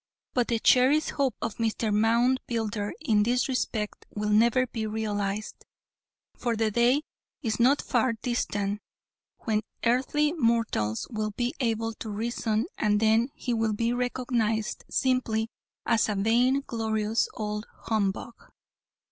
But the cherished hopes of Mr. Moundbuilder in this respect will never be realized, for the day is not far distant when earthly mortals will be able to reason and then he will be recognized simply as a vain glorious old humbug.